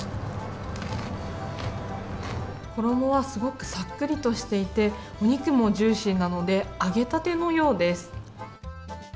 衣はすごくさっくりとしていて、お肉もジューシーなので、揚げたてのようです。